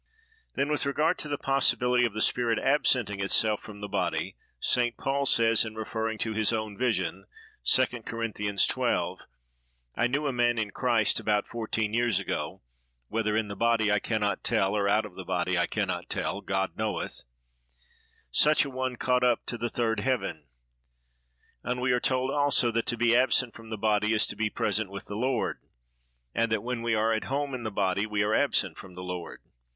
Then, with regard to the possibility of the spirit absenting itself from the body, St. Paul says, in referring to his own vision—2 Cor. xii.—"I knew a man in Christ, about fourteen years ago (whether in the body, I can not tell; or out of the body, I can not tell: God knoweth); such a one caught up to the third heaven:" and we are told, also, that to be "absent from the body is to be present with the Lord;" and that when we are "at home in the body we are absent from the Lord."